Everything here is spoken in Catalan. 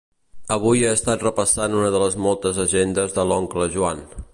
Avui ha estat repassant una de les moltes agendes de l'oncle Joan.